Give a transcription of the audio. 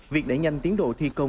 việc đẩy nhanh tiến độ thi công